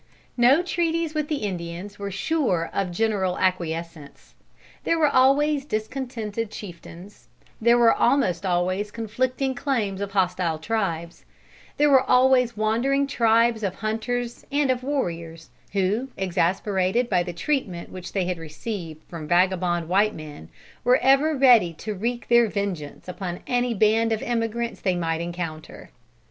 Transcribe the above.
No treaties with the Indians were sure of general acquiescence. There were always discontented chieftains; there were almost always conflicting claims of hostile tribes; there were always wandering tribes of hunters and of warriors, who, exasperated by the treatment which they had received from vagabond white men, were ever ready to wreak their vengeance upon any band of emigrants they might encounter.